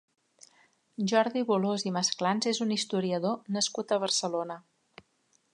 Jordi Bolòs i Masclans és un historiador nascut a Barcelona.